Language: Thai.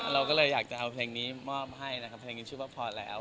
เราก็เลยอยากจะเอาเพลงนี้มอบให้นะครับเพลงนี้ชื่อว่าพอแล้ว